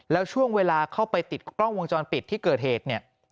แล้วช่วงเวลาเข้าไปติดกล้องวงจรปิดที่เกิดเหตุเนี่ย